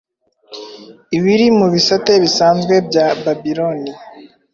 Ibiri mu bisate bisanzwe bya Babiloni